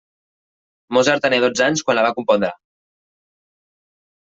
Mozart tenia dotze anys quan la va compondre.